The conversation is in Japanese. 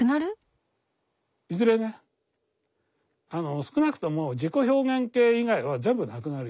少なくとも自己表現系以外は全部なくなるよ。